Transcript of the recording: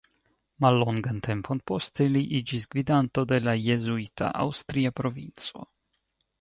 Mallongan tempon poste li iĝis gvidanto de la jezuita Aŭstria Provinco.